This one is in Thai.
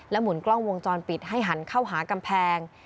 หมุนกล้องวงจรปิดให้หันเข้าหากำแพง